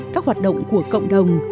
các hoạt động của cộng đồng